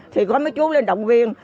thì có mấy chú lên động viên